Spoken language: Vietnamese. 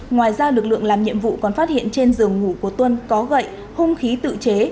ngoài ra lực lượng làm nhiệm vụ còn phát hiện trên giường ngủ của tuân có gậy hung khí tự chế